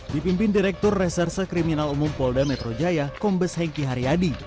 dipimpin direktur reserse kriminal umum polda metro jaya kombes hengki haryadi